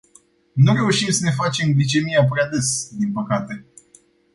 Nu reușim să ne facem glicemia prea des, din păcate.